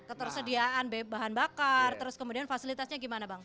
ketersediaan bahan bakar terus kemudian fasilitasnya gimana bang